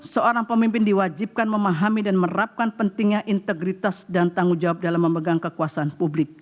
seorang pemimpin diwajibkan memahami dan merapkan pentingnya integritas dan tanggung jawab dalam memegang kekuasaan publik